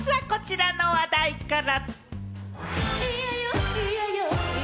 まずはこちらの話題から。